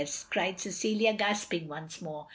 cried Cecilia, gasping once more.